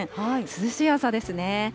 涼しい朝ですね。